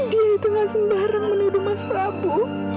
dia itu nggak sembarang menuduh mas prabu